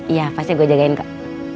iya pasti gue jagain kak